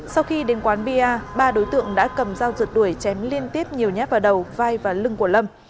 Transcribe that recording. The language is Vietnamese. sau khi đến quán pa ba đối tượng đã cầm dao rượt đuổi chém liên tiếp nhiều nháp vào đầu vai và lưỡi